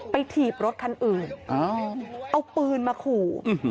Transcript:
ถีบรถคันอื่นเอาปืนมาขู่